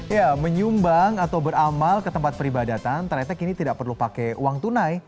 ya menyumbang atau beramal ke tempat peribadatan tretek kini tidak perlu pakai uang tunai